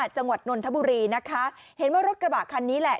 จังหวัดนนทบุรีนะคะเห็นว่ารถกระบะคันนี้แหละ